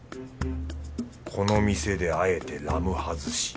この店であえてラムはずし。